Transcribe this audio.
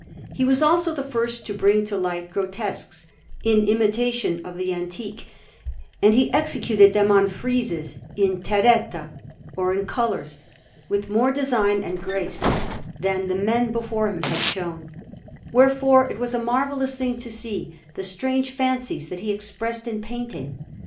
He was also the first to bring to light grotesques, in imitation of the antique, and he executed them on friezes in terretta or in colours, with more design and grace than the men before him had shown; wherefore it was a marvellous thing to see the strange fancies that he expressed in painting.